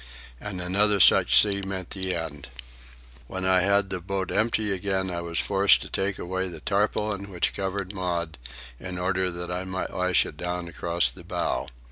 And another such sea meant the end. When I had the boat empty again I was forced to take away the tarpaulin which covered Maud, in order that I might lash it down across the bow.